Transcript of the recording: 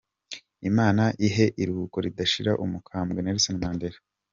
Imana ihe iruhuko ridashira umukambwe Nelson Mandela.